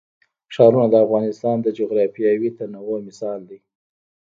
ښارونه د افغانستان د جغرافیوي تنوع مثال دی.